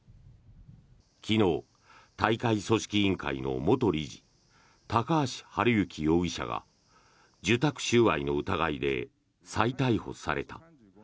昨日、大会組織委員会の元理事高橋治之容疑者が受託収賄の疑いで再逮捕された。